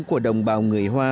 của đồng bào người hoa